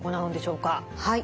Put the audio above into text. はい。